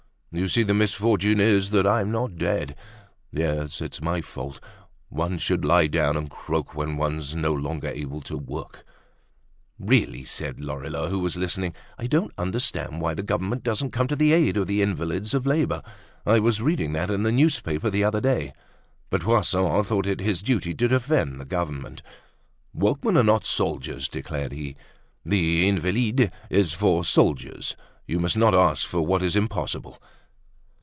You see, the misfortune is that I'm not dead. Yes, it's my fault. One should lie down and croak when one's no longer able to work." "Really," said Lorilleux, who was listening, "I don't understand why the Government doesn't come to the aid of the invalids of labor. I was reading that in a newspaper the other day." But Poisson thought it his duty to defend the Government. "Workmen are not soldiers," declared he. "The Invalides is for soldiers. You must not ask for what is impossible."